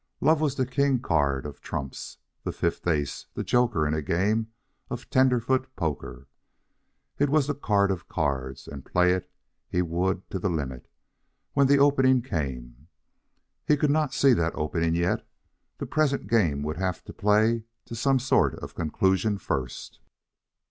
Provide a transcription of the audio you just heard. Love was the king card of trumps, the fifth ace, the joker in a game of tenderfoot poker. It was the card of cards, and play it he would, to the limit, when the opening came. He could not see that opening yet. The present game would have to play to some sort of a conclusion first.